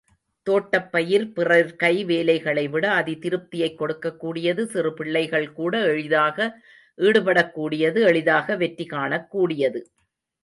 தோட்டப் பயிர், பிற கை வேலைகளைவிட அதி திருப்தியைக் கொடுக்கக்கூடியது சிறுபிள்ளைகள்கூட எளிதாக ஈடுபடக்கூடியது எளிதாக வெற்றி காணக்கூடியது.